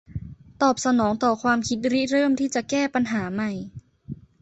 ตอบสนองต่อความคิดริเริ่มที่จะแก้ปัญหาใหม่